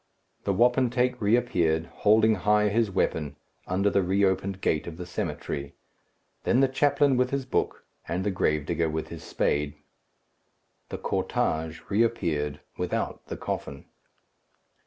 The wapentake reappeared, holding high his weapon, under the reopened gate of the cemetery; then the chaplain with his book, and the gravedigger with his spade. The cortège reappeared without the coffin.